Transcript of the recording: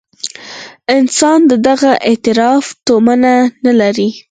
انسان د دغه اعتراف تومنه نه لري.